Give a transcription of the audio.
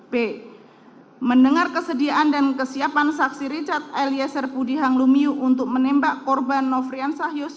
b mendengar kesediaan dan kesiapan saksi richard eliezer budi hanglumiu untuk menembak korban nofrian sahyus